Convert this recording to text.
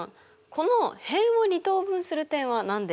この辺を２等分する点は何でしたっけ？